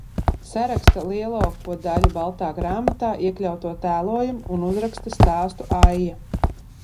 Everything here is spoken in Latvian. "Saraksta lielāko daļu "Baltā grāmatā" iekļauto tēlojumu un uzraksta stāstu "Aija"."